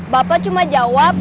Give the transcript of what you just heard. bapak cuma jawab